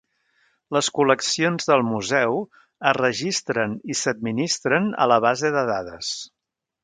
Les col·leccions del Museu es registren i s'administren a la base de dades.